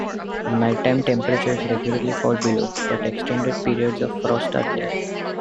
Nighttime temperatures regularly fall below but extended periods of frost are rare.